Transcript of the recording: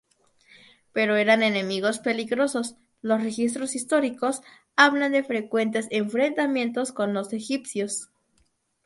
Pero eran enemigos peligrosos, los registros históricos hablan de frecuentes enfrentamientos con los egipcios.